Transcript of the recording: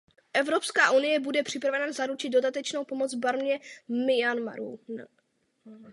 Evropská unie bude připravena zaručit dodatečnou pomoc Barmě/Myanmaru.